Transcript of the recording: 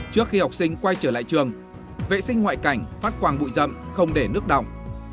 trước khi học sinh quay trở lại trường vệ sinh ngoại cảnh phát quang bụi rậm không để nước động